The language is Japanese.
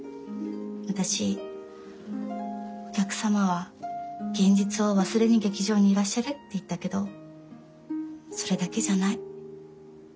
私お客様は現実を忘れに劇場にいらっしゃるって言ったけどそれだけじゃない。